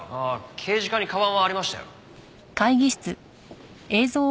刑事課にかばんはありましたよ。